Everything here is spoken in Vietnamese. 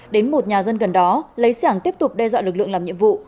đến một nhà dân gần đó lấy xe hàng tiếp tục đe dọa lực lượng làm nhiệm vụ